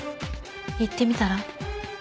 言ってみたら？